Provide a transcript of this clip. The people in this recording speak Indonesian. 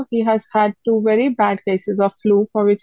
dia memiliki dua kes yang sangat buruk